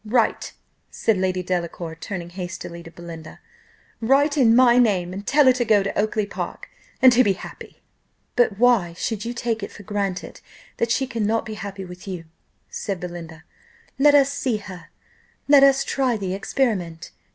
Write," said Lady Delacour, turning hastily to Belinda, "write in my name, and tell her to go to Oakly park, and to be happy." "But why should you take it for granted that she cannot be happy with you?" said Belinda. "Let us see her let us try the experiment."